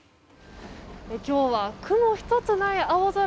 今日は雲一つない青空。